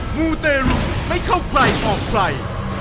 หมูเตรุไม่เข้าใกล้ออกไฟ